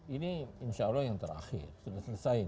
ini insya allah yang terakhir sudah selesai